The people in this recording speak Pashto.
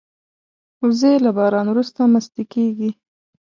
وزې له باران وروسته مستې کېږي